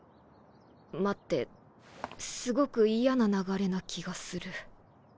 待ってすごく嫌な流れな気がする。